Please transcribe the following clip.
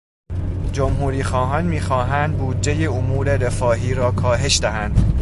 جمهوریخواهان میخواهند بودجه امور رفاهی را کاهش دهند.